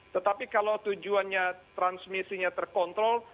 tetapi kalau tujuannya transmisinya terkontrol